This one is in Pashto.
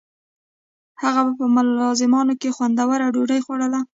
هغه به په ملازمانو هم خوندوره ډوډۍ خوړوله.